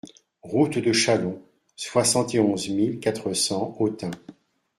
Route de Châlon, soixante et onze mille quatre cents Autun